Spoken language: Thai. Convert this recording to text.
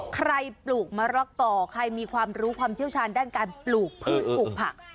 ปลูกมะระก่อใครมีความรู้ความเชี่ยวชาญด้านการปลูกพืชปลูกผัก